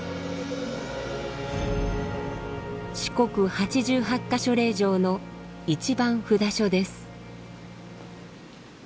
四国八十八ヶ所霊場の一番札所です。